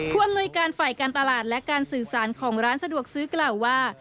อำนวยการฝ่ายการตลาดและการสื่อสารของร้านสะดวกซื้อกล่าวว่า